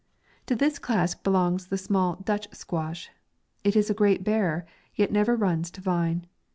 To this class belongs the small Dutch squash. It is a great bearer, yet never runs to vine.